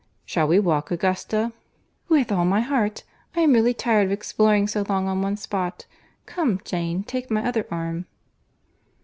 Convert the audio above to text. Shall we walk, Augusta?" "With all my heart. I am really tired of exploring so long on one spot. Come, Jane, take my other arm."